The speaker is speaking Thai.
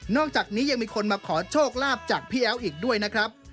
อกจากนี้ยังมีคนมาขอโชคลาภจากพี่แอ๊วอีกด้วยนะครับ